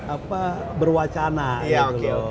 apa berwacana gitu loh